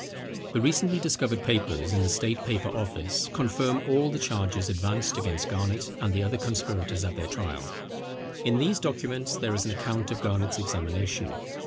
The recently discovered papers in the State Paper Office, confirm all the charges advanced against Garnet and the other conspirators at their trial. In these documents there is an account of Garnet's examination.